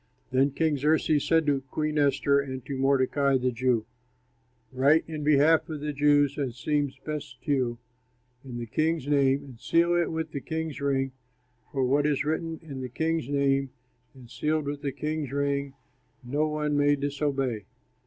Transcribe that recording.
Then King Xerxes said to Queen Esther and to Mordecai, the Jew, "Write in behalf of the Jews, as seems best to you, in the king's name and seal it with the king's ring; for what is written in the king's name and sealed with the king's ring no one may disobey."